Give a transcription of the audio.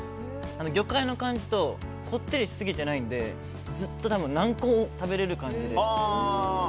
魚介の感じとこってりしすぎていないのでずっと何個も食べれる感じです。